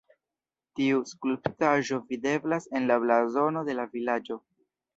Tiu skulptaĵo videblas en la blazono de la vilaĝo.